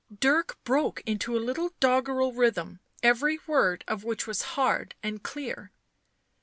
Dirk broke into a little doggerel rhyme, every word of which was hard and clear.